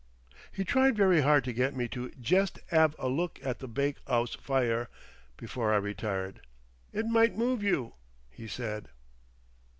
He tried very hard to get me to "jest 'ave a look at the bake'ouse fire" before I retired. "It might move you," he said.